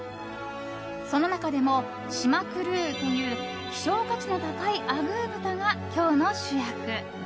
その中でも島黒という希少価値の高いあぐー豚が今日の主役。